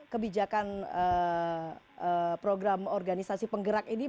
kebijakan program organisasi penggerak ini